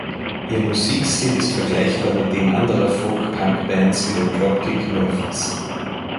Ihr Musikstil ist vergleichbar mit dem anderer Folk-Punk-Bands wie den Dropkick Murphys.